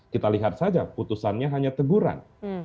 kita lihat saja putusannya hanya teguran